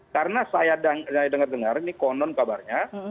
karena saya dengar dengar ini konon kabarnya